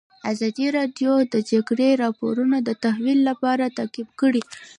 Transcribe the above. ازادي راډیو د د جګړې راپورونه د تحول لړۍ تعقیب کړې.